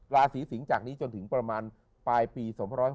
ราศีสิงศ์จากนี้จนถึงประมาณปลายปี๒๕๖๒